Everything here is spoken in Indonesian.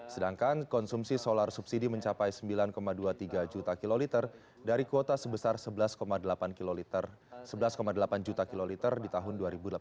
sedangkan konsumsi solar subsidi mencapai sembilan dua puluh tiga juta kiloliter dari kuota sebesar sebelas delapan juta kiloliter di tahun dua ribu delapan belas